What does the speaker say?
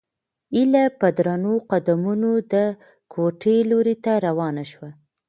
هیله په درنو قدمونو د کوټې لوري ته روانه شوه.